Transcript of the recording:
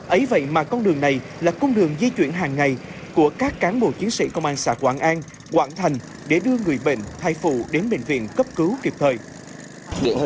ấy vậy mà con đường này là cung đường di chuyển hàng ngày của các cán bộ chiến sĩ công an xã quảng an quảng thành để đưa người bệnh thay phụ đến bệnh viện cấp cứu kịp thời